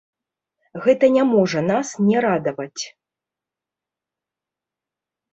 Гэта не можа нас не радаваць.